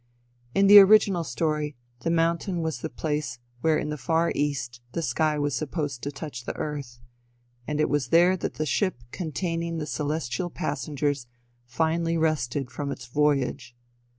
In the original story, the mountain was the place where in the far east the sky was supposed to touch the earth, and it was there that the ship containing the celestial passengers finally rested from its voyage.